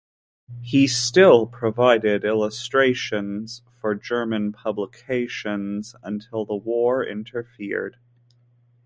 He still provided illustrations for German publications until the war interfered.